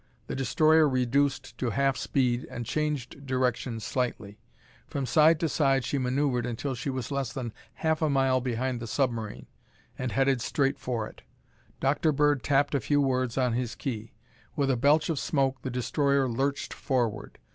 The destroyer reduced to half speed and changed direction slightly. From side to side she maneuvered until she was less than half a mile behind the submarine and headed straight for it. Dr. Bird tapped a few words on his key. With a belch of smoke, the destroyer lurched forward.